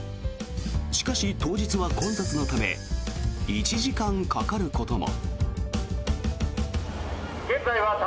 しかし、当日は混雑のため１時間かかることも。